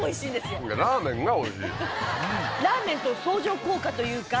ラーメンとの相乗効果というか。